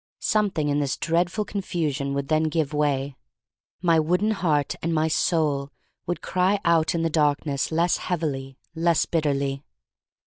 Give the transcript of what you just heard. Something in this dreadful confusion would then give way. My wooden heart and my soul would cry out in the darkness less heavily, less bitterly.